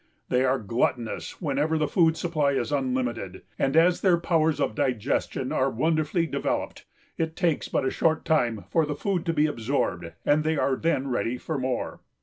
They are gluttonous whenever the food supply is unlimited, and, as their powers of digestion are wonderfully developed, it takes but a short time for the food to be absorbed and they are then ready for more.